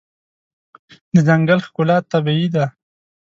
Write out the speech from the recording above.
د ځنګل ښکلا طبیعي ده.